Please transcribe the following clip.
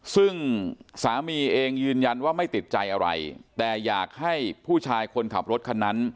ซึ่งสามีเองยืนยันว่าไม่ติดใจอะไรแต่อยากให้ผู้ชายคนขับรถคันนั้น